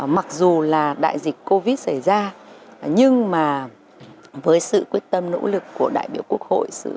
mặc dù là đại dịch covid xảy ra nhưng mà với sự quyết tâm nỗ lực của đại biểu quốc hội